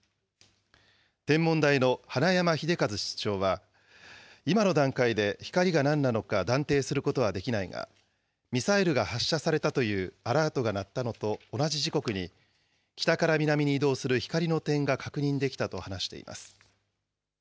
天文台の花山秀和室長は、今の段階で光がなんなのか断定することはできないが、ミサイルが発射されたというアラートが鳴ったのと同じ時刻に、北から南に移動する光の点が確認できたと話しています。